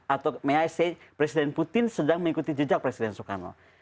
atau boleh saya katakan presiden putin sedang mengikuti jejak presiden soekarno